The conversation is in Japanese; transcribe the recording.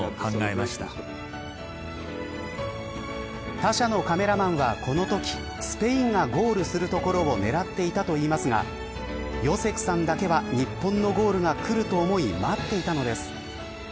他社のカメラマンはこのときスペインがゴールするところを狙っていたといいますがヨセクさんだけは日本のゴールがくると思い待っていたのです。